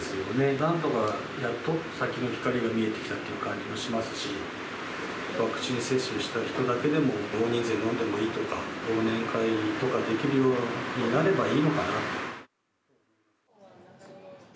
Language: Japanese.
なんとかやっと先の光が見えてきたっていう感じがしますし、ワクチン接種した人だけでも大人数で飲んでもいいとか、忘年会とかできるようになればいいのかなと。